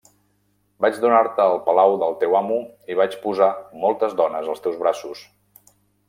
Vaig donar-te el palau del teu amo i vaig posar moltes dones als teus braços.